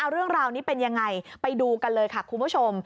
เรื่องราวนี้เป็นยังไงไปดูกันเลยค่ะคุณผู้ชม